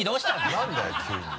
何だよ急に！